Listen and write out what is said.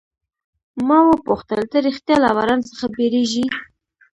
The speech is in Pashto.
ما وپوښتل، ته ریښتیا له باران څخه بیریږې؟